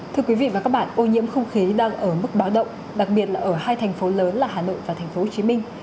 thưa quý vị và các bạn ô nhiễm không khí đang ở mức báo động đặc biệt là ở hai thành phố lớn là hà nội và thành phố hồ chí minh